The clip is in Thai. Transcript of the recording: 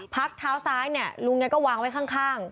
พักเท้าซ้ายเนี่ยลุงแกก็วางไว้ข้าง